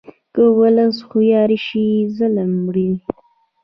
که ولس هوښیار شي، ظلم مري.